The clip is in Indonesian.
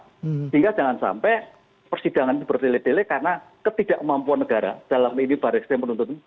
sehingga jangan sampai persidangan ini bertele tele karena ketidakmampuan negara dalam ini barisnya menuntut